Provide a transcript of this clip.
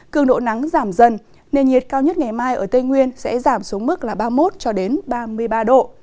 cường độ nắng giảm dần nền nhiệt cao nhất ngày mai ở tây nguyên sẽ giảm xuống mức ba mươi một ba mươi ba độ